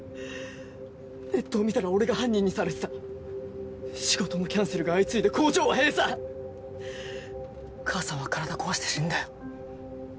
ネットを見たら俺が犯人にされてた仕事のキャンセルが相次いで工場は閉鎖母さんは体壊して死んだよ